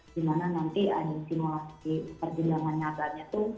di mana nanti ada simulasi perjendangan nyatanya itu